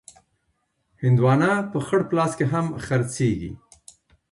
هندوانه په خړ پلاس کې هم خرڅېږي.